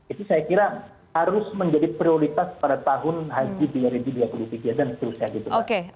itu saya kira harus menjadi prioritas pada tahun haji dua ribu dua puluh tiga dan seterusnya gitu